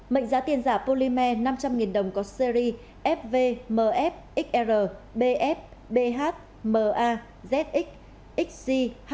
mệnh giá tiền giả polymer năm trăm linh đồng có series fvmfxr bf bh ma zx xz ho ue